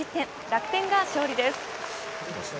楽天が勝利です。